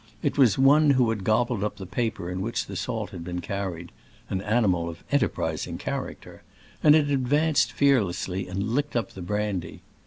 It was one who had gobbled up the paper in which the salt had been carried — an animal of enterprising character — and it advanced fearlessly and licked up the brandy.